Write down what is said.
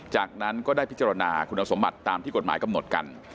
จากนั้นก็ได้พิจารณาคุณสมบัติตามที่กฎหมายกำหนดกัน